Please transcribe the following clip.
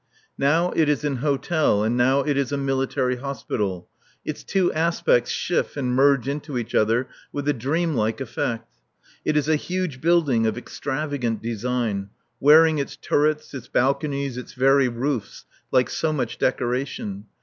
Now it is an hotel and now it is a military hospital; its two aspects shift and merge into each other with a dream like effect. It is a huge building of extravagant design, wearing its turrets, its balconies, its very roofs, like so much decoration.